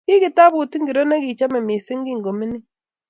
ki kitabut ingiroo ne kichame missing ko kimining